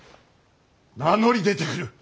名乗り出てくる。